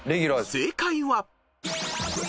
［正解は］